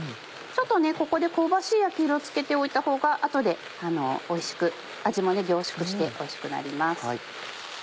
ちょっとここで香ばしい焼き色をつけておいたほうが後で味も凝縮しておいしくなります。